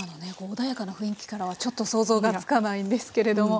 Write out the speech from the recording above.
穏やかな雰囲気からはちょっと想像がつかないんですけれども。